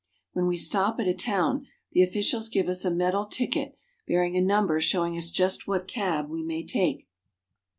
When we stop at a town, the officials give us a metal ticket bearing a number showing us just what cab we may take.